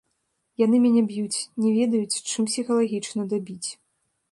Яны мяне б'юць, не ведаюць, чым псіхалагічна дабіць.